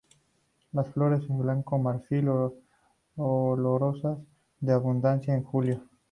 Las flores de blanco marfil, olorosas de abundancia en julio.